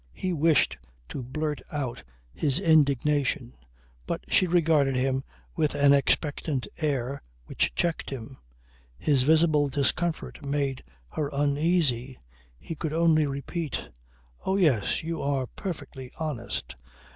He wished to blurt out his indignation but she regarded him with an expectant air which checked him. His visible discomfort made her uneasy. He could only repeat "Oh yes. You are perfectly honest.